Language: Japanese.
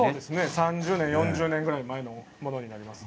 ３０年４０年くらい前のものになります。